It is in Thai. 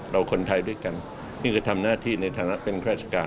คนไทยด้วยกันนี่ก็ทำหน้าที่ในฐานะเป็นข้าราชการ